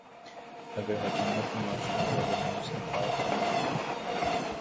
اگر حکومت معاشرے کو جرائم سے پاک کرنا چاہتی ہے۔